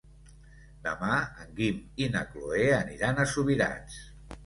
Demà en Guim i na Cloè aniran a Subirats.